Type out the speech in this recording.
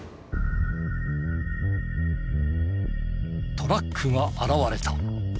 トラックが現れた。